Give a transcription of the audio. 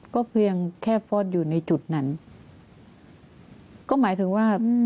ก็เพียงแค่ฟอสอยู่ในจุดนั้นก็หมายถึงว่า